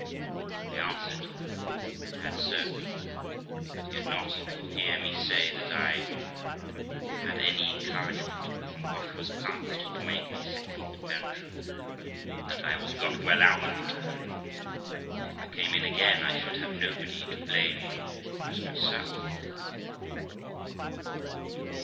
I answered, I had so ; but he did not hear me say that I had any encouragement from what was past to make a second venture; that I was got well out of the toil, and if I came in again I should have nobody to blame but myself.